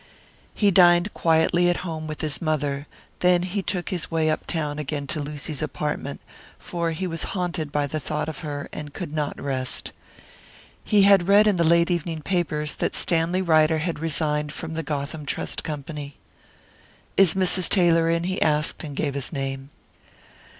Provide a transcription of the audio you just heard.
He dined quietly at home with his mother; then he took his way up town again to Lucy's apartment; for he was haunted by the thought of her, and could not rest. He had read in the late evening papers that Stanley Ryder had resigned from the Gotham Trust Company. "Is Mrs. Taylor in?" he asked, and gave his name.